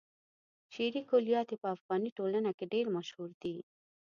شعري کلیات يې په افغاني ټولنه کې ډېر مشهور دي.